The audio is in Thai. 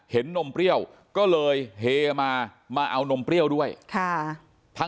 นมเปรี้ยวก็เลยเฮมามาเอานมเปรี้ยวด้วยค่ะ